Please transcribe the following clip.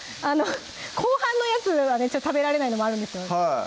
後半のやつは食べられないのもあるんですよ